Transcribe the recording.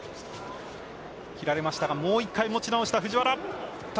切られましたがもう一度持ち直した藤原。